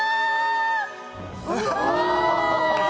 うわ。